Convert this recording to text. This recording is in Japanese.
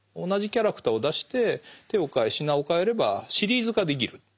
同じキャラクターを出して手をかえ品をかえればシリーズ化できる。